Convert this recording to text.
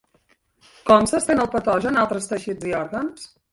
Com s'estén el patogen a altres teixits i òrgans?